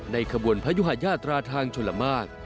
ขบวนพระยุหาญาตราทางชลมาก